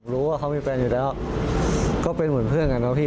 รู้ว่าเขามีแฟนอยู่แล้วก็เป็นเหมือนเพื่อนกันนะพี่